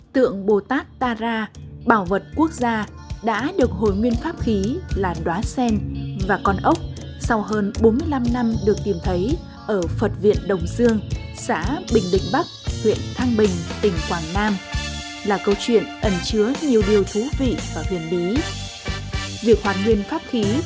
tượng bồ tát ta ra bảo vật quốc gia đã được hồi nguyên pháp khí là đoá sen và con ốc sau hơn bốn mươi năm năm được tìm thấy ở phật viện đồng dương xã bình định bắc huyện thăng bình tỉnh quảng nam là câu chuyện ẩn chứa nhiều điều thú vị và huyền bí